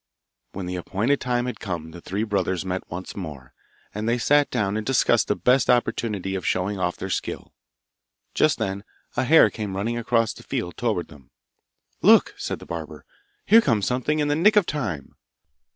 When the appointed time had come the three brothers met once more, and they sat down and discussed the best opportunity of showing off their skill. Just then a hare came running across the field towards them. 'Look!' said the barber, 'here comes something in the nick of time!